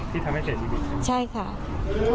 ที่ทำให้เสร็จดีจริงค่ะนะครับใช่ค่ะ